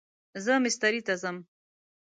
زه مستری ته ځم